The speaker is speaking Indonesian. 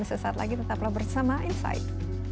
sesaat lagi tetaplah bersama insight